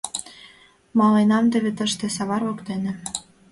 Маленам теве тыште — савар воктене.